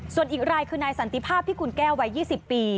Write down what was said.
ส่วนอีกรายคือนายสันติภาพพิกุลแก้ววัย๒๐ปี